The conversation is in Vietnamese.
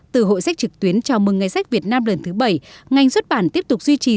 từ hội sách trực tuyến chào mừng ngày sách việt nam lần thứ bảy ngành xuất bản tiếp tục duy trì